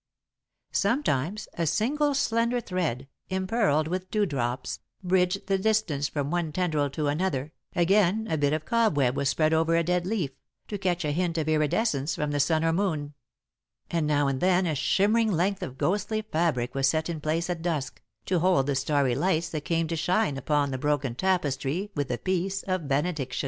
Sometimes a single slender thread, impearled with dewdrops, bridged the distance from one tendril to another, again a bit of cobweb was spread over a dead leaf, to catch a hint of iridescence from the sun or moon; and now and then a shimmering length of ghostly fabric was set in place at dusk, to hold the starry lights that came to shine upon the broken tapestry with the peace of benediction.